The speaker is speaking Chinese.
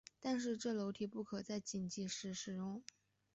但是这楼梯不可以在紧急时使用。